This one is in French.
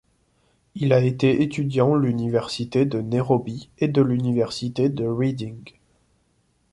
Il a été étudiant l'université de Nairobi et de l'université de Reading.